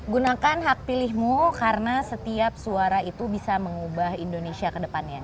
gunakan hak pilihmu karena setiap suara itu bisa mengubah indonesia ke depannya